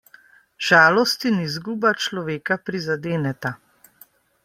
Žalost in izguba človeka prizadeneta.